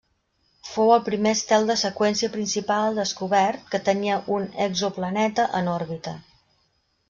Fou el primer estel de seqüència principal descobert que tenia un exoplaneta en òrbita.